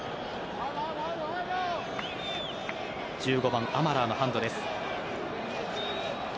１５番、アマラーのハンドです。